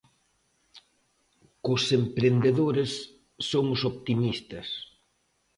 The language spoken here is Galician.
Cos emprendedores somos optimistas.